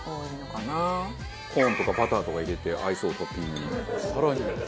コーンとかバターとか入れて合いそうトッピングに。